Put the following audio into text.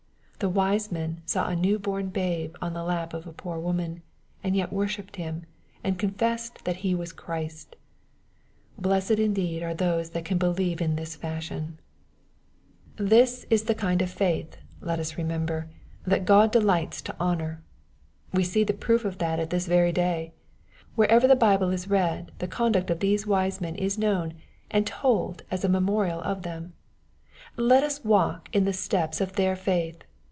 *' The wise men saw a new born babe on the lap of a poor woman, and yet worshipped Him and confessed that He was Christ, Blessed indeed are those that can believe in this fashion ! This is the kind of faith, let us remember, that God ddigkta to honor. We see the proof of that at this very day. Wherever the Bible is read the conduct of these wise men is known, and told as a memorial of them. Let us walk in the steps of their faith.